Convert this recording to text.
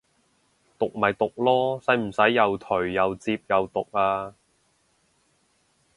毒咪毒囉，使唔使又頹又摺又毒啊